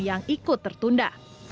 yang ikut tertunda